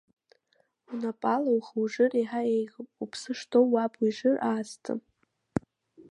Унапала ухы ужыр еиҳа еиӷьуп, уԥсы шҭоу уаб уижыр аасҭа.